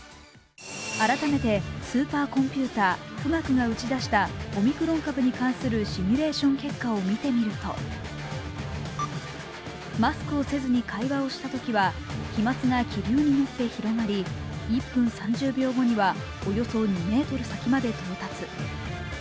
改めてスーパーコンピューター富岳が打ち出したオミクロン株に関するシミュレーション結果を見てみるとマスクをせずに会話をしたときは飛まつが気流に乗って広がり、１分３０秒後にはおよそ２ｍ先まで到達。